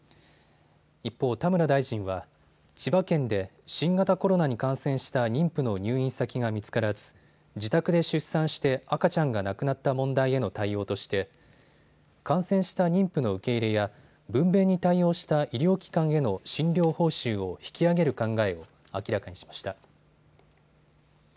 一方、田村大臣は千葉県で新型コロナに感染した妊婦の入院先が見つからず自宅で出産して赤ちゃんが亡くなった問題への対応として感染した妊婦の受け入れや分べんに対応した医療機関への診療報酬を引き上げる考えを明らかにしました。